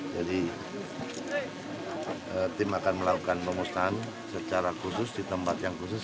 jadi tim akan melakukan pemusnahan secara khusus di tempat yang khusus